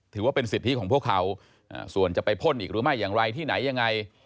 ถือว่าเป็นสิทธิของพวกเขาส่วนจะไปพ่นอีกหรือไม่อย่างไรที่ไหนยังไง